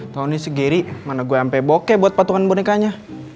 tau nih segiri mana gue sampe bokeh buat patungan bonekanya